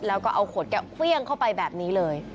แล้วก็เอาขวดแก้วเครื่องเข้าไปแบบนี้เลย